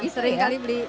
sering kali beli